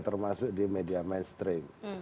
termasuk di media mainstream